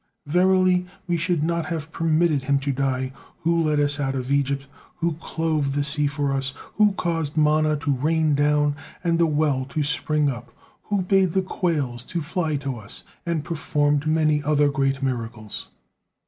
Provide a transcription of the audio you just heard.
Verily, we should not have permitted him to die, who led us out of Egypt, who clove the sea for us, who caused manna to rain down and the well to spring up, who bade the quails to fly to us, and performed many other great miracles."